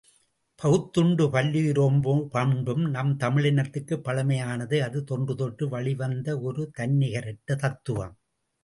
பகுத்துண்டு பல்லுயிர் ஓம்பும் பண்பு நம் தமிழினத்துக்குப் பழமையானது அது தொன்றுதொட்டு வழிவழிவந்த ஒரு தன்னிகரற்ற தத்துவம்.